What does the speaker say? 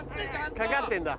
掛かってんだ。